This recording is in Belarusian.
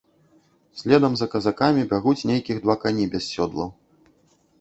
Следам за казакамі бягуць нейкіх два кані без сёдлаў.